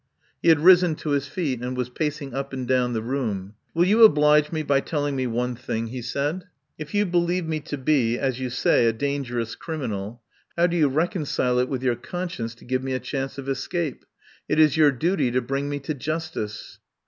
He had risen to his feet, and was pacing up and down the room. "Will you oblige me by telling me one thing," he said. "If you believe me to be, as you say, a dangerous criminal, how do you reconcile it with your conscience to give me a chance of escape? It is your duty to bring me to justice."